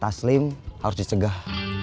taslim harus dicegah